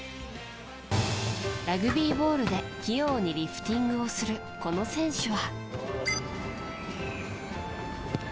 ラグビーボールで器用にリフティングをするこの選手は。